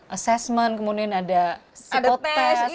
assessment kemudian ada psikotest ada macam macam